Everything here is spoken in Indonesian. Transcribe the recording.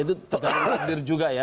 itu dipergelirkan juga ya